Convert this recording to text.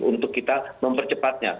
untuk kita mempercepatnya